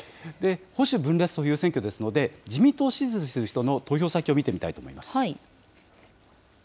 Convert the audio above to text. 保守分裂という選挙ですので、自民党を支持する人の投票先を見てみたいと思います。